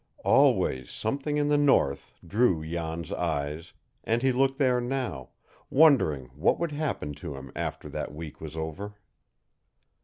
Always something in the north drew Jan's eyes, and he looked there now, wondering what would happen to him after that week was over.